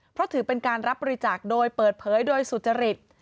เพราะถือเป็นการรับบริจาคโดยเปิดเผยโดยสุจริต